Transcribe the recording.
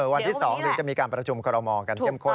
วันที่สองอื่นจะมีการประชุมคอโรมอสรรจรกันเก็มข้น